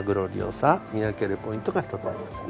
見分けるポイントが１つありますね。